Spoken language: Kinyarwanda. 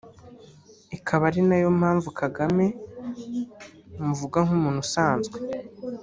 ikaba ari nayo mpamvu Kagame muvuga nk’umuntu usanzwe